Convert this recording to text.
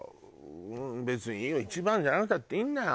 別にいいよ一番じゃなくたっていいんだよ」